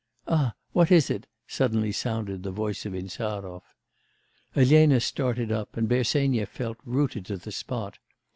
'Ah! What is it?' suddenly sounded the voice of Insarov. Elena started up, and Bersenyev felt rooted to the spot.